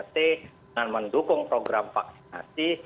dengan mendukung program vaksinasi